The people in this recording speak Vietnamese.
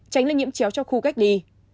tránh lây nhiễm chéo cho khu cách ly